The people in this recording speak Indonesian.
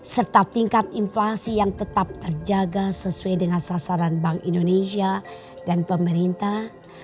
serta tingkat inflasi yang tetap terjaga sesuai dengan sasaran bank indonesia dan pemerintah